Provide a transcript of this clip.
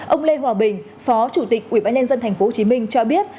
ông lê hòa bình phó chủ tịch ubnd tp hcm cho biết